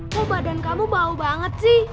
kok badan kamu bau banget sih